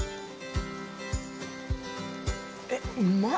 えっうまっ。